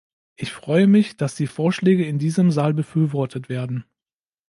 Ich freue mich, dass die Vorschläge in diesem Saal befürwortet werden.